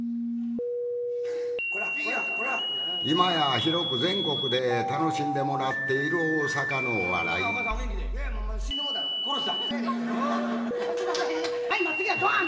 今や広く全国で楽しんでもらっている大阪のお笑いすんません。